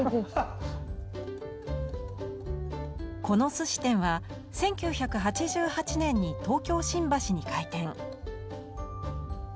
この寿司店は１９８８年に東京・新橋に開店。